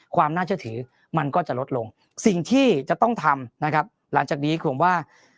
ความน่าเชื่อถือมันก็จะลดลงสิ่งที่จะต้องทำนะครับหลังจากนี้ผมว่า